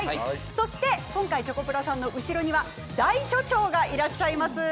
そして今回、チョコプラさんの後ろに大所長がいらっしゃいます。